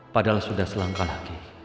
padahal sudah selangkah lagi